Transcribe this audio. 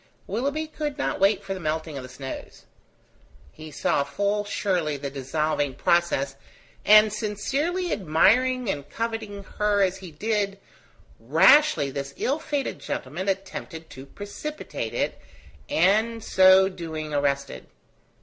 Willoughby could not wait for the melting of the snows. He saw full surely the dissolving process; and sincerely admiring and coveting her as he did, rashly this ill fated gentleman attempted to precipitate it, and so doing arrested.